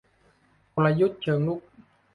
กลยุทธ์เชิงรุก